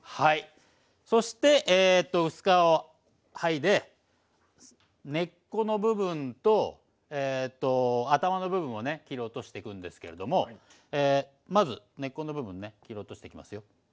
そして薄皮を剥いで根っこの部分と頭の部分をね切り落としてくんですけれどもまず根っこの部分ね切り落としてきますよ。